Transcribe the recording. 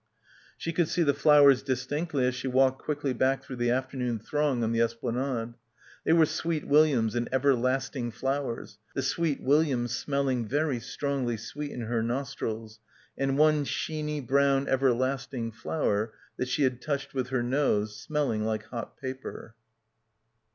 She could see the flowers distinctly as she walked quickly back through the afternoon throng on the esplanade; they were sweet williams and "everlasting" flowers, the swteet williams smell ing very strongly sweet in her nostrils, and one sheeny brown everlasting flower that she had touched with her nose, smelling like hot paper.